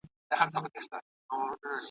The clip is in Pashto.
نن به زما جنازه اخلي سبا ستا په وینو سور دی ,